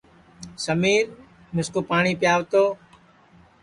سمیرمِسکُو پاٹؔی پیو تو